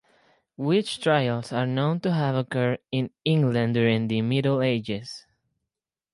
Witch trials are known to have occurred in England during the Middle Ages.